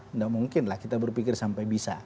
tidak mungkin lah kita berpikir sampai bisa